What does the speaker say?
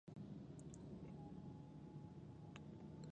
نېټ دې نه کاروي